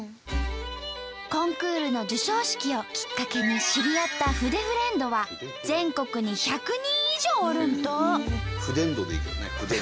コンクールの授賞式をきっかけに知り合った「筆フレンド」は全国に１００人以上おるんと！